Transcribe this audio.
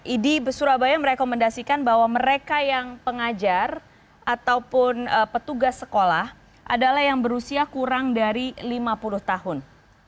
idi surabaya merekomendasikan bahwa mereka yang pengajar ataupun petugas sekolah adalah yang berusia kurang dari lima puluh tahun